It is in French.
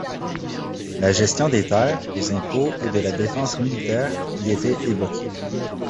La gestion des terres, les impôts et de la défense militaire y étaient évoqués.